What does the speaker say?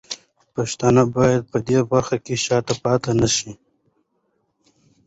پښتانه باید په دې برخه کې شاته پاتې نه شي.